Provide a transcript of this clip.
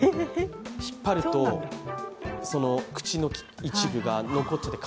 引っ張ると、口の一部が残っちゃって